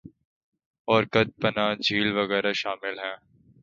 اور کت پناہ جھیل وغیرہ شامل ہیں